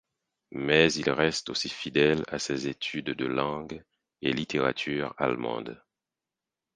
Mais il reste aussi fidèle à ses études de langue et littérature allemandes.